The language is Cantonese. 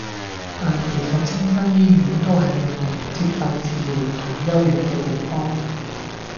但其實青山醫院都係讓人接受治療同休養嘅地方